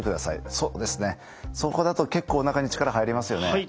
そうですねそこだと結構おなかに力入りますよね。